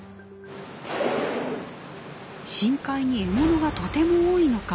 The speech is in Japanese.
深海に獲物がとても多いのか。